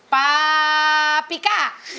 ปลาหนู